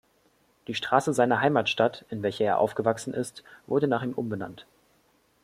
Die Straße seiner Heimatstadt, in welcher er aufgewachsen ist, wurde nach ihm umbenannt.